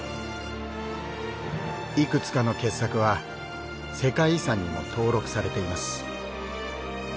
いくつかの傑作は世界遺産にも登録されています。